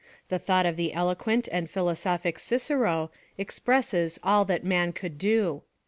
The thought of the eloquent and philosophic Cicero expresses all that man could do.